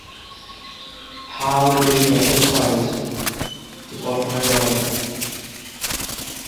অধ্যাপনা ছাড়াও আইনজ্ঞ হিসেবেও বেশ কয়েকটি প্রতিষ্ঠানে কাজ করেছেন তিনি।